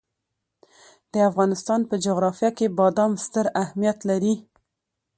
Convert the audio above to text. د افغانستان په جغرافیه کې بادام ستر اهمیت لري.